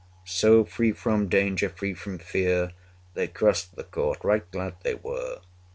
So free from danger, free from fear, 135 They crossed the court: right glad they were.